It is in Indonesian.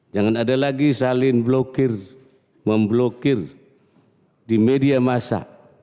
jangan ada lagi salin blokir memblokir di media masa